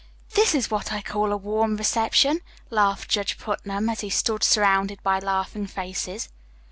"This is what I call a warm reception," laughed Judge Putnam, as he stood surrounded by laughing faces.